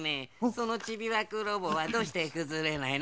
そのチビワクロボはどうしてくずれないの？